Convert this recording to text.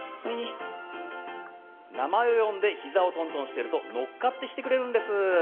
名前を呼んでひざをトントンしていると乗っかってきてくれるんです。